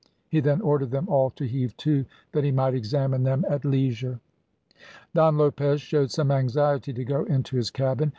He then ordered them all to heave to, that he might examine them at leisure. Don Lopez showed some anxiety to go into his cabin.